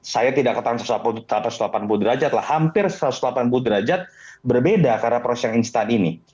saya tidak ketahuan satu ratus delapan puluh derajat lah hampir satu ratus delapan puluh derajat berbeda karena proses yang instan ini